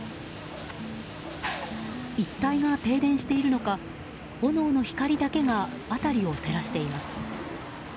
一帯が停電しているのか炎の光だけが辺りを照らしています。